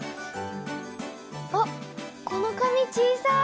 あっこの紙小さい。